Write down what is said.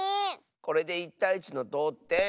これで１たい１のどうてん。